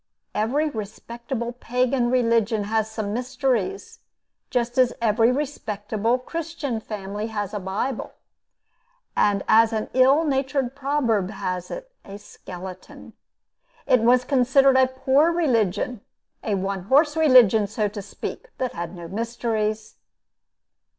Every respectable Pagan religion had some mysteries, just as every respectable Christian family has a bible and, as an ill natured proverb has it, a skeleton. It was considered a poor religion a one horse religion, so to speak that had no mysteries.